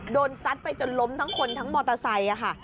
ซัดไปจนล้มทั้งคนทั้งมอเตอร์ไซค์ค่ะ